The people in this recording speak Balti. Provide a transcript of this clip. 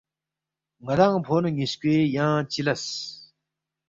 ندانگ فونو نیسکوے ینگ چی لس،